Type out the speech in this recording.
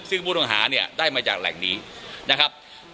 ซึ่งผู้ต้องหาเนี่ยได้มาจากแหล่งนี้นะครับ